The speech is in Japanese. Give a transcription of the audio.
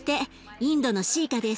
インドのシーカです。